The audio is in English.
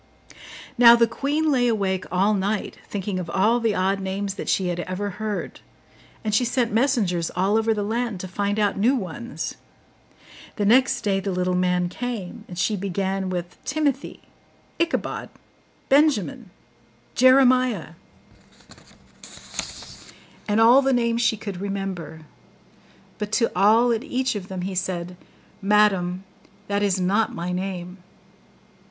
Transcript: Now the queen lay awake all night, thinking of all the odd names that she had ever heard; and she sent messengers all over the land to find out new ones. The next day the little man came, and she began with TIMOTHY, ICHABOD, BENJAMIN, JEREMIAH, and all the names she could remember; but to all and each of them he said, 'Madam, that is not my name.